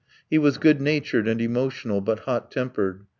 He was good natured and emotional, but hot tempered.